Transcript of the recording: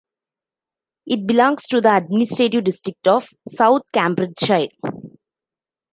It belongs to the administrative district of South Cambridgeshire.